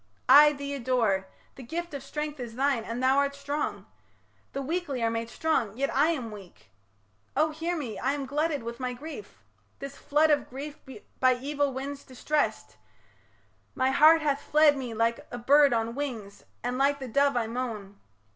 I thee adore The gift of strength is thine and thou art strong The weakly are made strong, yet I am weak... O hear me! I am glutted with my grief This flood of grief by evil winds distressed; My heart hath fled me like a bird on wings, And like the dove I moan.